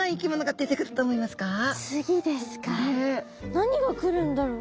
何が来るんだろう？